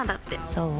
そう？